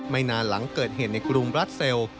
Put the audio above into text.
ไม่นานหลังเกิดเหตุในกรุงบราเซลล์